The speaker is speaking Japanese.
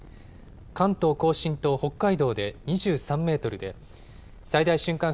関東甲信と北海道で２３メートルで最大瞬間